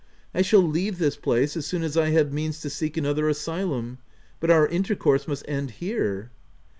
I shall leave this place, as soon as I have means to seek another asylum ; but our intercourse must end here."